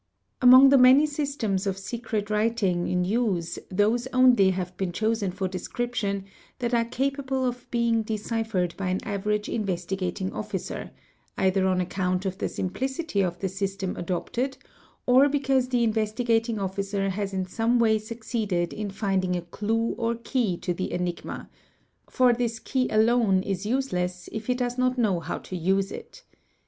:| Among the many systems of secret writing in use those only have been chosen for description that are capable of being deciphered by an average Investigating Officer either on account of the simplicity of the system adopted or because the Investigating Officer has in some way succeeded in finding a clue or key to the enigma; for this key alone is useless if he does not know how to use it.